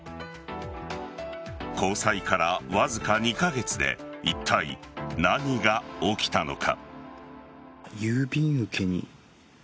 交際から、わずか２カ月でいったい何が起きたのか。